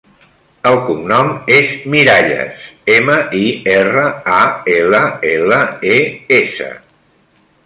El cognom és Miralles: ema, i, erra, a, ela, ela, e, essa.